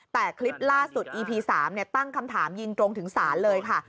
แต่คลิปล่าสุดอีพี๓ตั้งคำถามยิงตรงถึงศาลเลยค่ะ